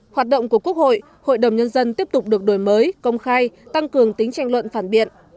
hoạt động của quốc hội hội đồng nhân dân tiếp tục được đổi mới công khai tăng cường tính tranh luận phản biện